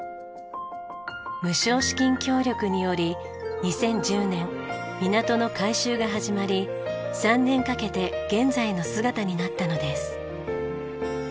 無償資金協力により２０１０年港の改修が始まり３年かけて現在の姿になったのです。